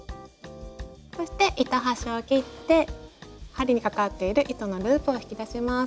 そして糸端を切って針にかかっている糸のループを引き出します。